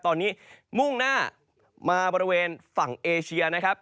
ตอนนี้มุ่งหน้ามาบริเวณฝั่งเอเชียนะครับ